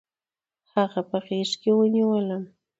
هغه په غېږ کې ونیولم.